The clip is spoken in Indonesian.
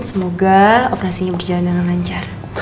semoga operasinya berjalan dengan lancar